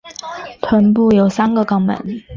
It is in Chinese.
臀部有三个肛门。